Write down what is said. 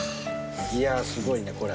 いやすごいねこれ。